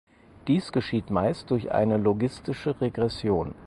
Dies geschieht meist durch eine logistische Regression.